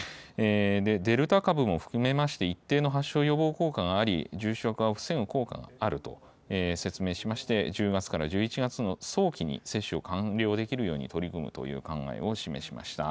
デルタ株も含めまして、一定の発症予防効果があり、重症化を防ぐ効果があると説明しまして、１０月から１１月の早期に接種を完了できるように取り組むという考えを示しました。